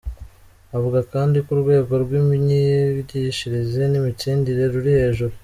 Avuga kandi ko urwego rw’imyigishirize n’imitsindire ruri hejuru.